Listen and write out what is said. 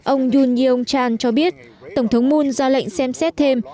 ông yun yong chang cho biết tổng thống moon ra lệnh xem xét thêm